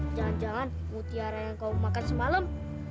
jangan jangan mutiara yang kau makan semalam